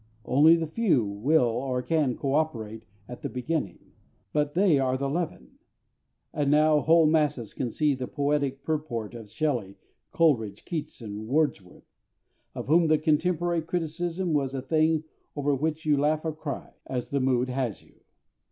Only the few will or can co operate at the beginning, but they are the leaven; and now whole masses can see the poetic purport of SHELLEY, COLERIDGE, KEATS and WORDSWORTH, of whom the contemporary criticism was a thing over which you laugh or cry, as the mood has you.